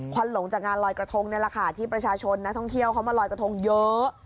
วันหลงจากงานลอยกระทงนี่แหละค่ะที่ประชาชนนักท่องเที่ยวเขามาลอยกระทงเยอะ